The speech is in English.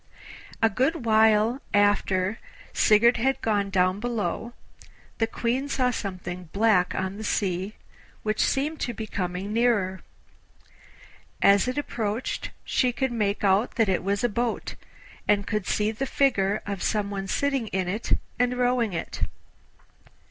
A good while after Sigurd had gone below the Queen saw something black on the sea, which seemed to be coming nearer. As it approached she could make out that it was a boat, and could see the figure of some one sitting in it and rowing it.